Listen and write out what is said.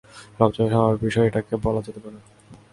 সবচেয়ে স্বাভাবিক বিষয় এটাকেই বলা যেতে পারে।